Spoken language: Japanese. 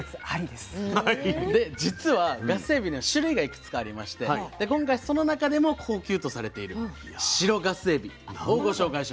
で実はガスエビには種類がいくつかありまして今回その中でも高級とされている白ガスエビをご紹介します。